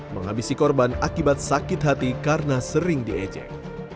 menghabisi korban akibat sakit hati karena sering diejek